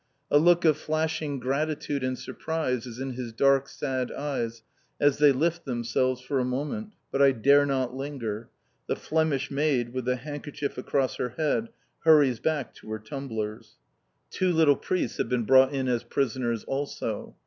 A look of flashing gratitude and surprise is in his dark sad eyes as they lift themselves for a moment. But I dare not linger. The Flemish maid, with the handkerchief across her head, hurries back to her tumblers. Two little priests have been brought in as prisoners also.